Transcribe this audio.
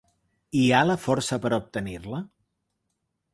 Hi ha la força per obtenir-la?